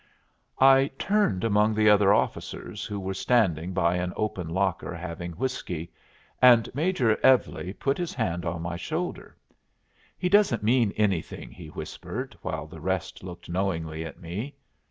I turned among the other officers, who were standing by an open locker having whiskey, and Major Evlie put his hand on my shoulder. "He doesn't mean anything," he whispered, while the rest looked knowingly at me.